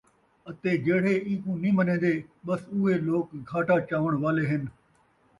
اَتے جِہڑے اِیکوں نھیں مَنیندے ٻس اُوہے لوک گھاٹا چاوݨ والے ہِن ۔